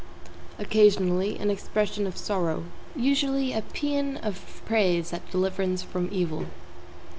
Occasionally, an expression of sorrow; usually, a paean of praise at deliverance from evil.